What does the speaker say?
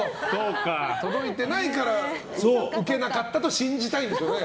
届いてないからウケなかったと信じたいんでしょうね。